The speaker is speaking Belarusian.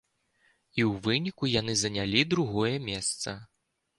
І ў выніку яны занялі другое месца.